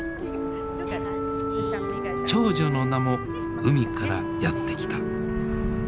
長女の名も海からやって来た。